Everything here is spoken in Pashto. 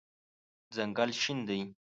ځنګل شین دی